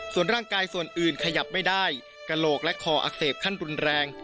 ส่วนร่างกายส่วนอื่นขยับไม่ได้กระโหลกและคออักเสบขั้นรุนแรง